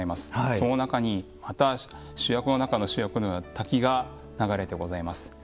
その中に主役の中の主役のような滝が流れてございます。